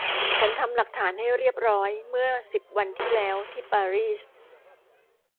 ฉันทำหลักฐานให้เรียบร้อยเมื่อสิบวันที่แล้วที่ปารีส